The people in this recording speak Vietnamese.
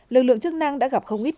lực lượng chức năng đã gặp không ít